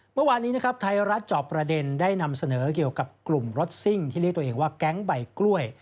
เมื่อวานนี้นะครับไทยรัฐจอบประเด็นได้นำเสนอเกี่ยวกับกลุ่มรถซิ่งที่เรียกตัวเองว่าแก๊งใบกล้วย